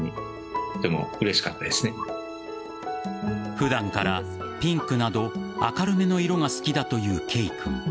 普段から、ピンクなど明るめの色が好きだというけい君。